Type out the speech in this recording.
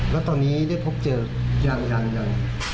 แล้วตอนนี้ได้พบเจอยัง